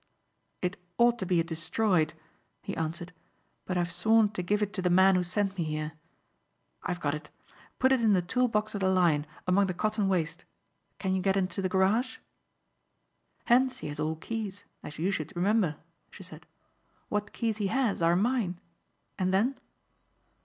"It ought to be destroyed," he answered, "but I've sworn to give it to the man who sent me here. I've got it. Put it in the tool box of the Lion, among the cotton waste. Can you get into the garage?" "Hentzi has all keys, as you should remember," she said. "What keys he has are mine. And then?"